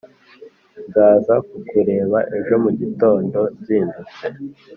Nzaza kuku reba ejo mugitondo nzindutse